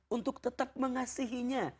untuk tetap mengasihinya